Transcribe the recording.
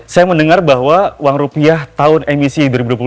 saya mendengar bahwa uang rupiah tahun emisi dua ribu dua puluh dua